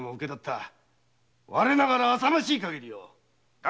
我ながらあさましい限りだ！